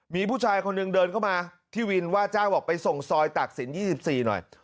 มีผู้ชายคนหนึ่งเดินเข้ามาที่วินว่าจ้างบอกไปส่งซอยตักศิลป๒๔หน่อย